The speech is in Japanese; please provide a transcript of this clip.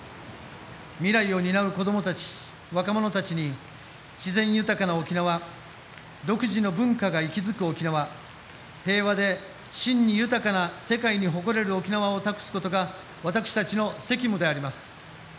未来を担う子どもたち若者たちに自然豊かな沖縄独自の文化が息づく沖縄平和で真に豊かな世界に誇れる沖縄を託すことが私たちの責務であります。